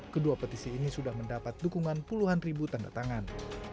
kedua petisi ini sudah mendapat dukungan puluhan ribu tanda tangan